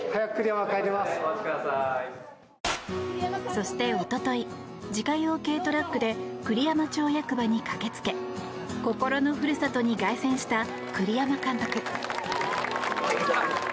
そして、おととい自家用軽トラックで栗山町役場に駆けつけ心のふるさとに凱旋した栗山監督。